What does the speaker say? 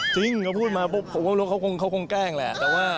จริงเขาพูดมาปุ๊บผมก็รู้ว่าเขาคงแกล้งแหละ